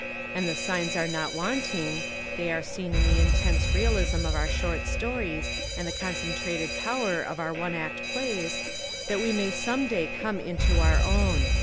And the signs are not wanting — they are seen in the intense realism of our short stories, and the concentrated power of our one act plays, — that we may some day come into our own.